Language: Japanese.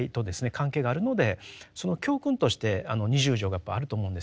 関係があるのでその教訓としてあの二十条がやっぱりあると思うんですよ。